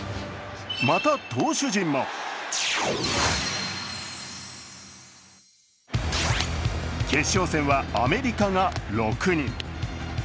また、投手陣も決勝戦はアメリカが６人。